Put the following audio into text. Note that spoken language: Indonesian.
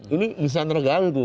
ini bisa terganggu